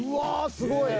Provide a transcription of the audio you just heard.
すごいね！